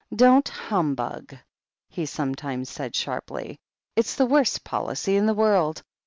"Don't humbug," he sometimes said sharply. "It's the worst policy in the world.